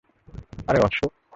আরে, অশোক।